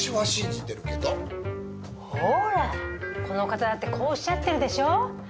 この方だってこうおっしゃってるでしょ。